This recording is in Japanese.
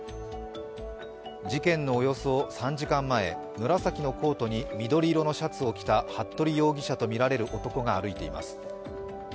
事件のおよそ３時間前紫のコートに緑色のシャツを着た服部容疑者とみられる男が歩いています。